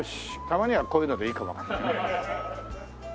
たまにはこういうのでいいかもわかんないね。